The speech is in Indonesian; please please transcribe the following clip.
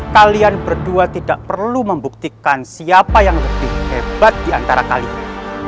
kalian berdua tidak perlu membuktikan siapa yang lebih hebat di antara kalian